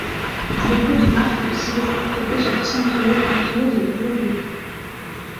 Beaucoup de marques de cigarettes proposent leur cendrier imprimé de leur logo.